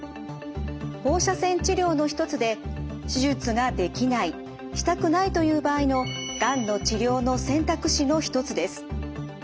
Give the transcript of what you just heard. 放射線治療の一つで手術ができないしたくないという場合のがんの治療の選択肢の一つです。